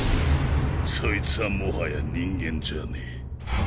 そいつはもはや人間じゃねえ。